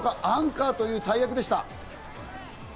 アンカーという大役でした。